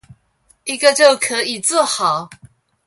一個就可以做好